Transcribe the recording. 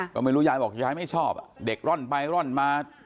ก็ไม่รู้ยายบอกยายไม่ชอบเด็กร่อนไปร่อนมา